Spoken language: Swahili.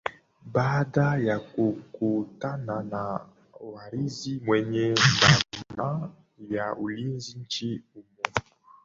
baada ya kukutana na waziri mwenye dhamana ya ulinzi nchini humo